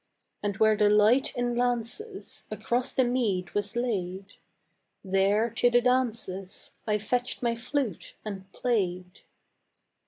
And where the light in lances Across the mead was laid, There to the dances I fetched my flute and played.